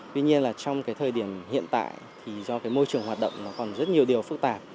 tuy nhiên là trong cái thời điểm hiện tại thì do cái môi trường hoạt động nó còn rất nhiều điều phức tạp